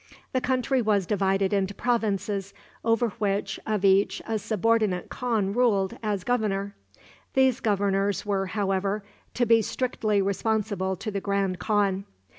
The country was divided into provinces, over each of which a subordinate khan ruled as governor. These governors were, however, to be strictly responsible to the grand khan.